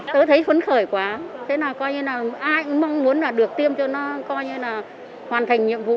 cứ thấy phấn khởi quá thế là coi như là ai cũng mong muốn là được tiêm cho nó coi như là hoàn thành nhiệm vụ